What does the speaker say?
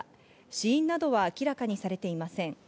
死因などは明らかにされていません。